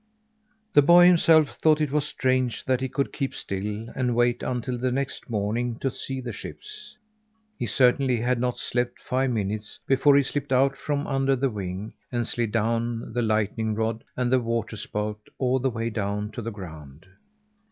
The boy himself thought it was strange that he could keep still and wait until the next morning to see the ships. He certainly had not slept five minutes before he slipped out from under the wing and slid down the lightning rod and the waterspout all the way down to the ground.